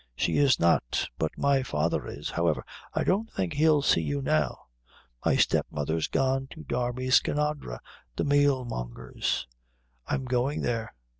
"She is not, but my father is; however, I don't think he'll see you now. My stepmother's gone to Darby Skinadre, the meal monger's." "I'm goin' there."